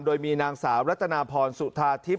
โดยมีนางสาวรัตนาพรสุธาทิพย